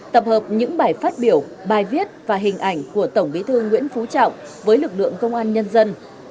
tập hợp những bài phát biểu bài viết và hình ảnh của tổng bí thư nguyễn phú trọng với lực lượng công an nhân dân